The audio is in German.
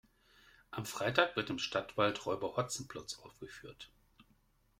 Am Freitag wird im Stadtwald Räuber Hotzenplotz aufgeführt.